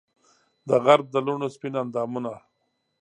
دغرب د لوڼو سپین اندامونه